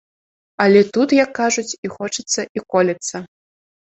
Але тут, як кажуць, і хочацца, і колецца.